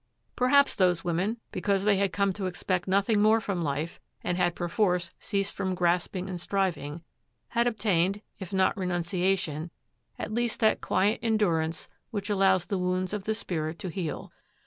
Perhaps those women, because they had come to expect nothing more from life and had perforce ceased from grasping and striving, had obtained, if not renunciation, at least that quiet endurance which allows the wounds of the spirit to heal.